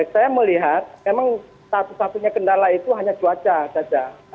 saya melihat memang satu satunya kendala itu hanya cuaca saja